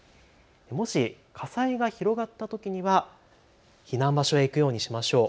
もし火災が広がったときには避難場所へ行くようにしましょう。